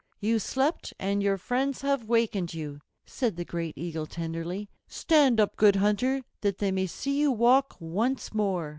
"You slept and your friends have wakened you," said the great Eagle tenderly. "Stand up, Good Hunter, that they may see you walk once more."